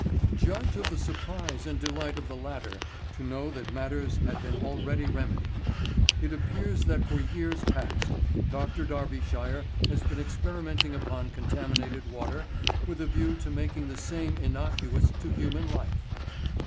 "Judge of the surprise and delight of the latter to know that matters had been already remedied. It appears that for years past Dr. Darbyshire has been experimenting upon contaminated water with a view to making the same innocuous to human life.